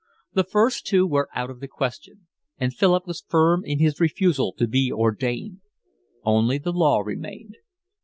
The first two were out of the question, and Philip was firm in his refusal to be ordained. Only the law remained.